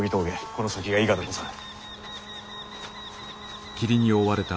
この先が伊賀でござる。